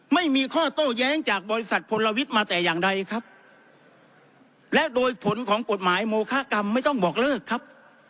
ไม่มีข้อโต้แย้งจากบริษัทพลวิทย์มาแต่อย่างใดครับและโดยผลของกฎหมายโมคากรรมไม่ต้องบอกเลิกครับ